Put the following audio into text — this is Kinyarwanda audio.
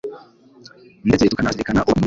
ndetse tukanazirikana kubaka umubiri